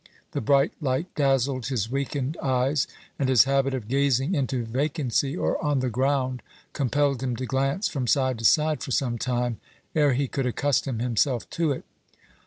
The bright light dazzled his weakened eyes, and his habit of gazing into vacancy or on the ground compelled him to glance from side to side for some time, ere he could accustom himself to it.